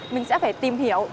mình sẽ phải tìm hiểu